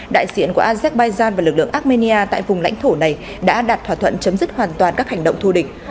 đại diện của azerbaijan và lực lượng armenia tại vùng lãnh thổ này đã đặt thỏa thuận chấm dứt hoàn toàn các hành động thù địch